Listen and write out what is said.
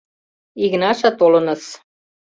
— Игнаша толыныс.